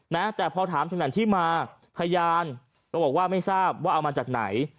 เนี่ยแต่พอถามที่มาพยานก็บอกว่าไม่ทราบว่าเอามาจากไหน